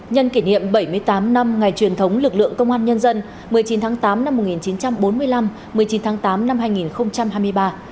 nhân kỷ niệm bảy mươi tám năm ngày truyền thống lực lượng công an nhân dân một mươi chín tháng tám năm một nghìn chín trăm bốn mươi năm một mươi chín tháng tám năm hai nghìn hai mươi ba